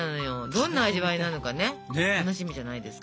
どんな味わいなのかね楽しみじゃないですか。